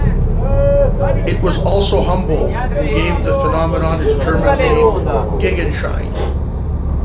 It was also Humboldt who gave the phenomenon its German name Gegenschein.